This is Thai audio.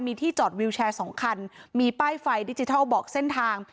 มีที่จอดวิวแชร์สองคันมีป้ายไฟดิจิทัลบอกเส้นทาง